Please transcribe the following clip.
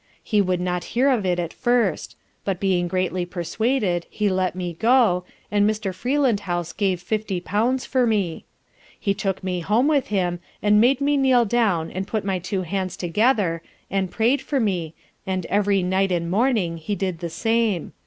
He would not hear of it at first, but, being greatly persuaded, he let me go, and Mr. Freelandhouse gave £50. for me. He took me home with him, and made me kneel down, and put my two hands together, and pray'd for me, and every night and morning he did the same.